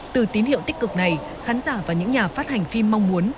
từ tín hiệu tích cực này khán giả và những nhà phát hành phim mong muốn